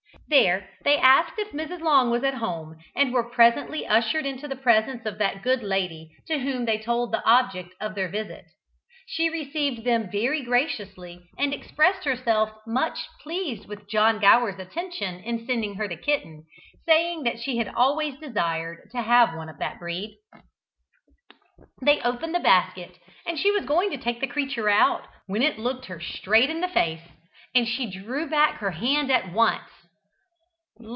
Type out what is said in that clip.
There they asked if Mrs. Long was at home, and were presently ushered into the presence of that good lady, to whom they told the object of their visit. She received them very graciously, and expressed herself much pleased with John Gower's attention in sending her the kitten, saying that she had always desired to have one of that breed. They opened the basket, and she was going to take the creature out, when it looked her straight in the face, and she drew back her hand at once.